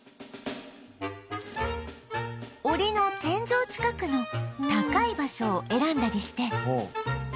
檻の天井近くの高い場所を選んだりして